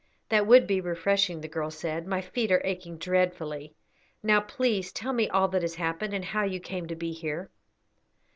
"That would be refreshing," the girl said. "My feet are aching dreadfully. Now please tell me all that has happened, and how you came to be here."